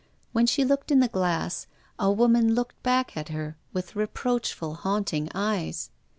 When she looked in the glass a woman looked back at her with reproachful, haunting eyes.